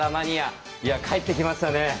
いや帰ってきましたね。